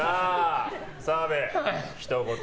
澤部、ひと言。